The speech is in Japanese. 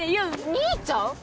「兄ちゃん」？